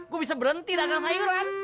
gue bisa berhenti dagang sayuran